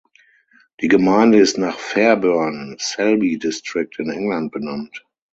Die Gemeinde ist nach Fairburn (Selby District) in England benannt.